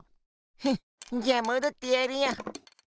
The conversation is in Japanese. ふんじゃあもどってやるよ。